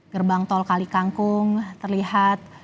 gerbang tol kalikangkung terlihat meningkat